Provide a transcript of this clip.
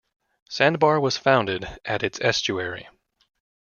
Sandbar was founded at its estuary.